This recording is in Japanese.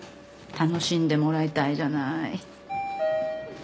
楽しんでもらいたいじゃない。